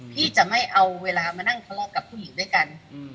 พี่จะไม่เอาเวลามานั่งทะเลาะกับผู้หญิงด้วยกัน